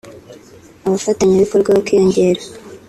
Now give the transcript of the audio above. abafatanyabikorwa bakiyongera